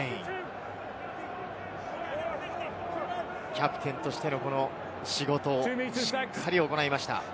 キャプテンとしての仕事をしっかり行いました。